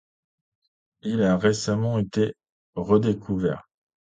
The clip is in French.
Il a récemment été redécouvert.